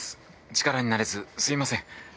力になれずすいません。